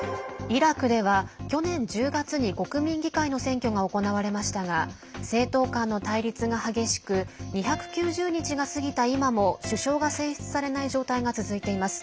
イラクでは、去年１０月に国民議会の選挙が行われましたが政党間の対立が激しく２９０日が過ぎた今も首相が選出されない状態が続いています。